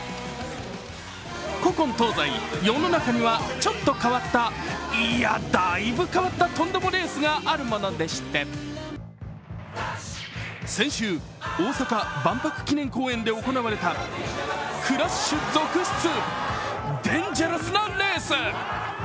古今東西、世の中にはちょっと変わったいや、だいぶ変わったとんでもレースがあるものでして先週、大阪・万博記念公園で行われたクラッシュ続出、デンジャラスなレース。